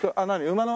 馬の？